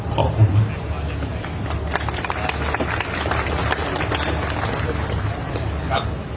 ขอบคุณมาก